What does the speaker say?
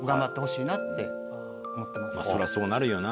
そりゃそうなるよな！